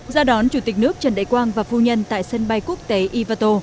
do đón chủ tịch nước trần đại quang và phu nhân tại sân bay quốc tế ivato